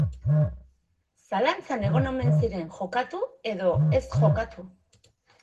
Zalantzatan egon omen zinen jokatu edo ez jokatu.